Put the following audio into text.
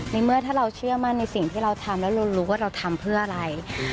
เมื่อถ้าเราเชื่อมั่นในสิ่งที่เราทำแล้วเรารู้ว่าเราทำเพื่ออะไร